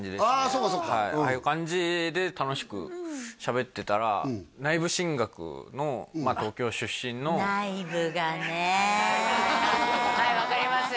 そうかそうかああいう感じで楽しくしゃべってたら内部進学の東京出身のはい分かります